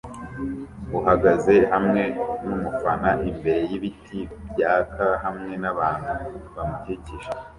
uhagaze hamwe numufana imbere yibiti byaka hamwe nabantu bamukikije.